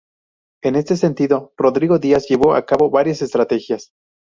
En este sentido Rodrigo Díaz llevó a cabo varias estrategias.